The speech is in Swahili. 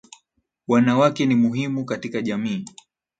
Wanawake ni mhimu katika jamii.